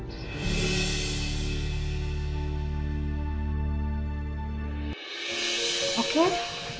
biar kamu mungkin juga tahu apa yang hati kamu butuhin